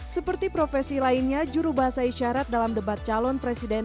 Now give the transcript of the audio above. seperti profesi lainnya juru bahasa isyarat dalam debat calon presiden